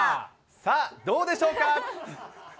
さあ、どうでしょうか。